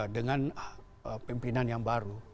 dengan pimpinan yang baru